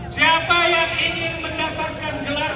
saya ini bukan ini